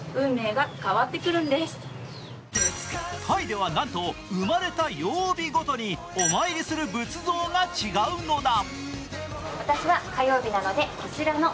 タイでは、なんと生まれた曜日ごとにお参りする仏像が違うのだ。